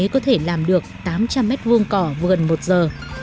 có thể làm được tám trăm linh mét vuông cỏ vườn một giờ